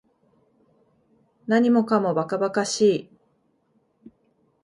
何もかも馬鹿馬鹿しい